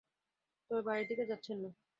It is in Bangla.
তবে বাড়ির দিকে যাচ্ছেন না।